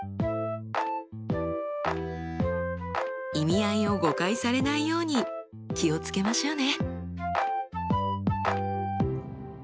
意味合いを誤解されないように気を付けましょうね！